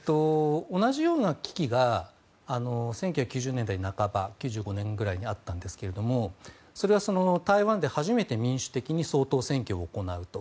同じような危機が１９９０年代半ば９５年ぐらいにあったんですがそれは台湾で初めて民主的に総統選挙を行うと。